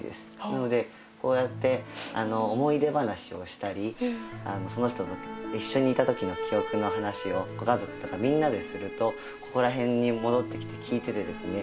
なのでこうやって思い出話をしたりその人と一緒にいた時の記憶の話をご家族とかみんなでするとここら辺に戻ってきて聞いててですね